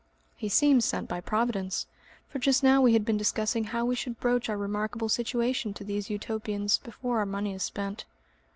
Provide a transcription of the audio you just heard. He seems sent by Providence, for just now we had been discussing how we should broach our remarkable situation to these Utopians before our money is spent.